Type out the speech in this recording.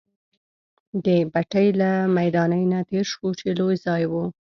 د بټۍ له میدانۍ نه تېر شوو، چې لوی ځای وو.